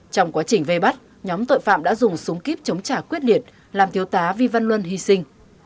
trong quá trình vây bắt nhóm tội phạm đã dùng súng kíp chống trả quyết liệt làm thiếu tá vi văn luân hy sinh